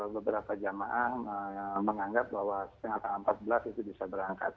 beberapa jamaah menganggap bahwa setengah tanggal empat belas itu bisa berangkat